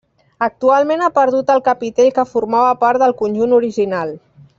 Actualment ha perdut el capitell que formava part del conjunt original.